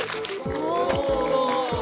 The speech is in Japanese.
お！